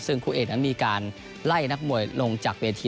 ซึ่งคู่เอกนั้นมีการไล่นักมวยลงจากเวที